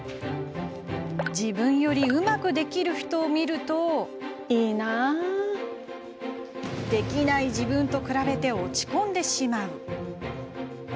自分よりうまくできる人を見るとできない自分と比べて落ち込んでしまう。